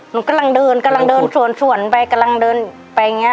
หนูกำลังเดินกำลังเดินสวนไปกำลังเดินไปอย่างนี้